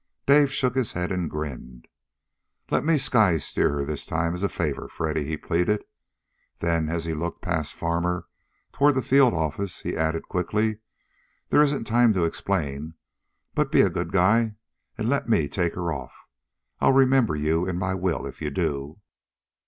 Dave shook his head, and grinned. "Let me sky steer her this time, as a favor, Freddy," he pleaded. Then, as he looked past Farmer toward the field office, he added quickly, "There isn't time to explain, but be a good guy and let me take her off. I'll remember you in my will, if you do."